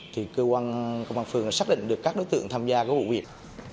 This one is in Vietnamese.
thì cơ quan công an phường đã xác định được các đối tượng tham gia của vụ việc